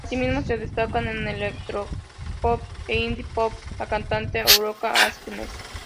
Así mismo se destaca en electropop e indie pop, la cantante Aurora Aksnes.